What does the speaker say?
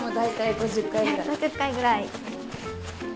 ５０回ぐらい。